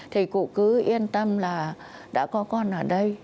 thì cụ cứ yên tâm là đã có con ở đây